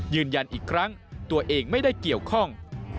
ยืนยันอีกครั้งตัวเองไม่ได้เกี่ยวข้อง